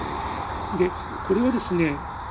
でこれはですね